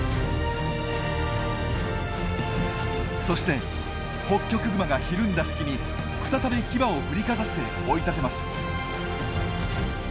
そしてホッキョクグマがひるんだ隙に再び牙を振りかざして追い立てます。